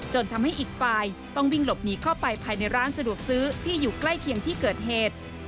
ทำให้อีกฝ่ายต้องวิ่งหลบหนีเข้าไปภายในร้านสะดวกซื้อที่อยู่ใกล้เคียงที่เกิดเหตุ